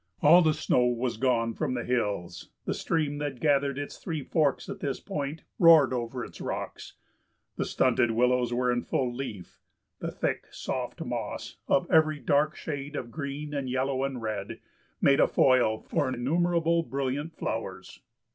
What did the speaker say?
All the snow was gone from the hills; the stream that gathered its three forks at this point roared over its rocks; the stunted willows were in full leaf; the thick, soft moss of every dark shade of green and yellow and red made a foil for innumerable brilliant flowers.